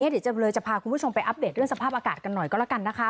เดี๋ยวจำเลยจะพาคุณผู้ชมไปอัปเดตเรื่องสภาพอากาศกันหน่อยก็แล้วกันนะคะ